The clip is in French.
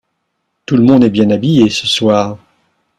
Tout le monde est bien habillé ce soir.